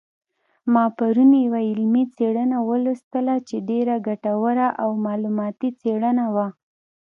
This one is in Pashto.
ما پرون یوه علمي څېړنه ولوستله چې ډېره ګټوره او معلوماتي څېړنه وه